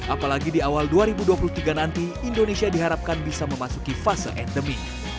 apalagi di awal dua ribu dua puluh tiga nanti indonesia diharapkan bisa memasuki fase endemi